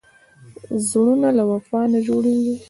زړونه له وفا نه جوړېږي.